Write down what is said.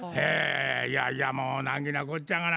いやいやもう難儀なこっちゃがな。